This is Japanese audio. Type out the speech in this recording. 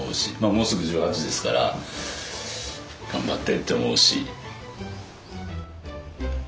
もうすぐ１８ですから頑張ってって思うし。